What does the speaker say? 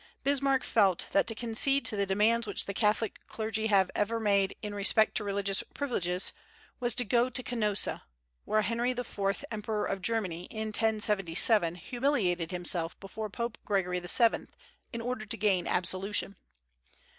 Bismarck felt that to concede to the demands which the Catholic clergy ever have made in respect to religious privileges was to "go to Canossa," where Henry IV. Emperor of Germany, in 1077, humiliated himself before Pope Gregory VII. in order to gain absolution.